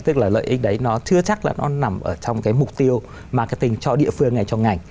tức là lợi ích đấy nó chưa chắc là nó nằm ở trong cái mục tiêu marketing cho địa phương này cho ngành